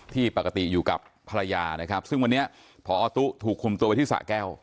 ที่ปกติอยู่กับภรรยานะครับซึ่งวันนี้พอตุ๊ถูกคุมตัวไปที่สะแก้ว